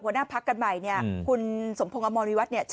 หัวหน้าภักดร์กันใหม่เนี้ยอืมคุณสมภงอมวรมีวัดเนี้ย